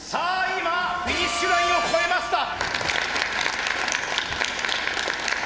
今フィニッシュラインを越えました！